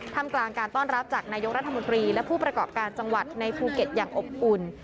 ทำกลางการต้อนรับจากนายกรัฐมนตรีและผู้ประกอบการจังหวัดในภูเก็ตอย่างอบอุ่น